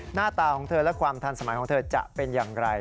หน้าตาของเธอและความทันสมัยของเธอจะเป็นอย่างไร